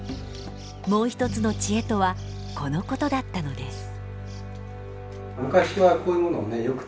もう一つの知恵とはこのことだったのです。